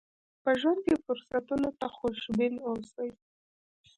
په ژوند کې فرصتونو ته خوشبين اوسئ.